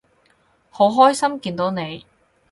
好開心見到你